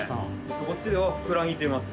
こっちではふくらぎといいます。